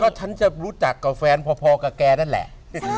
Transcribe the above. ฉันจะรู้จักกับแฟนพอกับแกนั่นแหละ